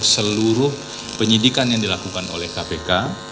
seluruh penyidikan yang dilakukan oleh kpk